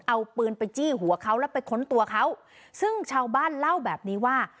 เอาปืนไปจี้หัวเขาแล้วไปค้นตัวเขาซึ่งชาวบ้านเล่าแบบนี้ว่า